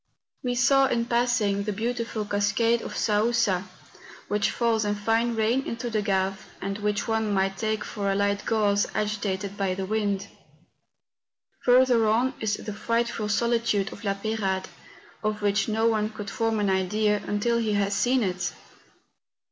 We saw, in passing, the beautiful cascade of Saousa, which hills in fine rain into the Gave, and which one might take for a light gauze agitated by the wind. Further on is the frightful solitude of La Peyrade, of which no one could form an idea until he has seen it.